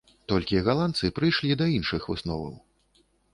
Толькі галандцы прыйшлі да іншых высноваў.